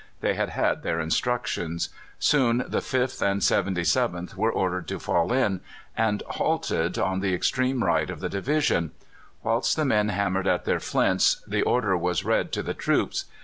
They had had their instructions. Soon the 5th and 77th were ordered to fall in, and halted on the extreme right of the division. Whilst the men hammered at their flints the order was read to the troops.